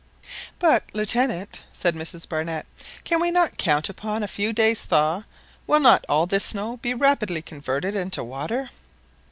"But, Lieutenant," said Mrs Barnett, "can we not count upon a few days' thaw will not all this snow be rapidly converted into water?"